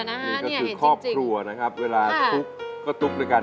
นี่ก็คือครอบครัวนะครับเวลาทุกข์ก็ตุ๊กด้วยกัน